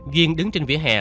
duyên đứng trên vỉa hè